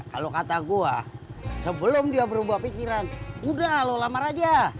kalau kata gua sebelum dia berubah pikiran udah lo lamar aja